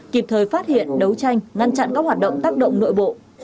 kịp thời phát hiện đấu tranh ngăn chặn các hoạt động tác động nội bộ